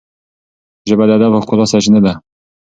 ژبه د ادب او ښکلا سرچینه ده.